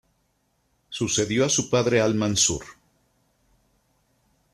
Sucedió a su padre Al-Mansur.